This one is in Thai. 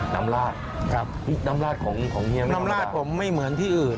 น้ำลาดครับน้ำลาดของเฮียไม่เหมือนกับน้ำลาดผมไม่เหมือนที่อื่น